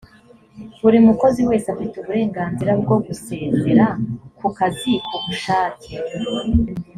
buri mukozi wese afite uburenganzira bwo gusezera ku kazi ku bushake.